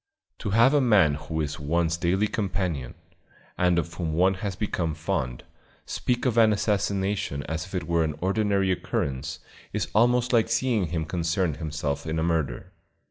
To have a man who is one's daily companion, and of whom one has become fond, speak of an assassination as if it were an ordinary occurrence, is almost like seeing him concerned himself in a murder.